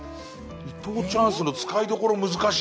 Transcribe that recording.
伊藤チャンスの使いどころ難しいな。